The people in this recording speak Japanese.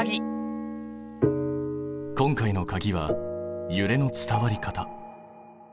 今回のかぎはゆれの伝わり方。